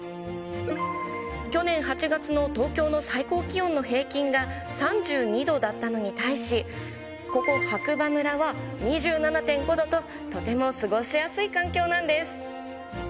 去年８月の東京の最高気温の平均が３２度だったのに対し、ここ、白馬村は２７．５度と、とても過ごしやすい環境なんです。